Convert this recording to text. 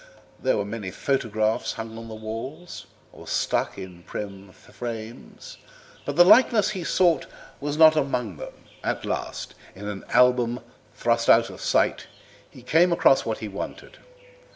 There were many photographs hung on the walls, or stuck in prim frames, but the likeness he sought for was not among them. At last, in an album thrust out of sight, he came across what he wanted.